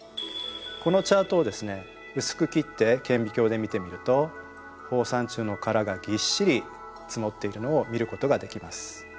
このチャートをですね薄く切って顕微鏡で見てみると放散虫の殻がぎっしり積もっているのを見ることができます。